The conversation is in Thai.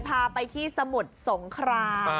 พาไปที่สมุทรสงคราม